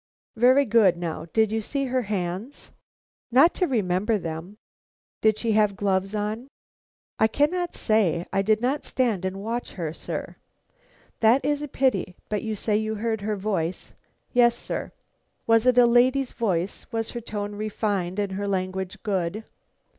"Very good. Now, did you see her hands?" "Not to remember them." "Did she have gloves on?" "I cannot say. I did not stand and watch her, sir." "That is a pity. But you say you heard her voice." "Yes, sir." "Was it a lady's voice? Was her tone refined and her language good?"